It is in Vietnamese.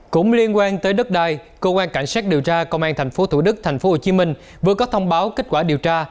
cũng liên quan tới đất đai công an cảnh sát điều tra công an tp hcm vừa có thông báo kết quả điều tra